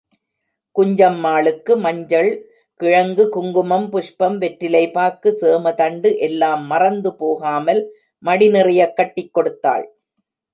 குஞ்சம்மாளுக்கு மஞ்சள் கிழங்கு, குங்குமம், புஷ்பம், வெற்றிலைபாக்கு, சேமதண்டு எல்லாம் மறந்து போகாமல் மடி நிறையக் கட்டிக் கொடுத்தாள்.